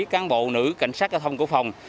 cán bộ nữ cảnh sát giao thông của phòng